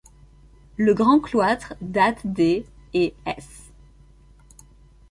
Le grand cloître date des et s.